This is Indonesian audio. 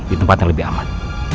di tempat yang lebih aman